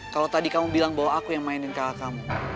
kalau tadi kamu bilang bahwa aku yang mainin kakak kamu